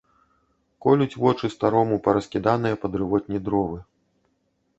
Колюць вочы старому параскіданыя па дрывотні дровы.